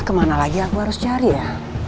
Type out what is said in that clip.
kemana lagi aku harus cari ya